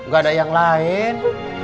gak ada yang lain